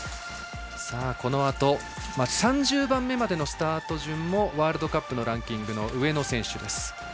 このあと３０番目までのスタート順もワールドカップのランキングの上の選手です。